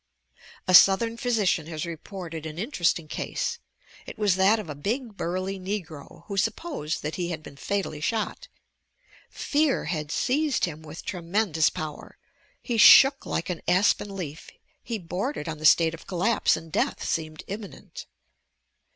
A Southern physician has reported an interesting case. It was that of a big, burly negro, who supposed that he had been fatally shot. Fear had seized him wit!i tremendous power, he shook like an aspen leaf, he bor dered on the state of collapse and death seemed imminent.